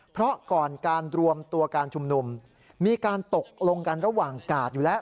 เพราะก่อนการรวมตัวการชุมนุมมีการตกลงกันระหว่างกาดอยู่แล้ว